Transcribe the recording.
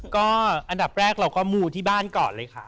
ก็อันดับแรกเราก็มูที่บ้านก่อนเลยค่ะ